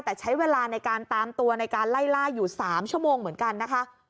แต่ใช้เวลาในการตามตัวในการไล่ล่าอยู่๓ชั่วโมงเหมือนกันนะคะ